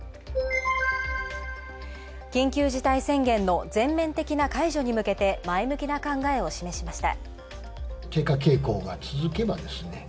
緊急事態宣言の全面的な解除に向けて前向きな考えを示しました。